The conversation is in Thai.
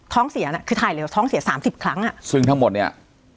เสียน่ะคือถ่ายเร็วท้องเสียสามสิบครั้งอ่ะซึ่งทั้งหมดเนี่ย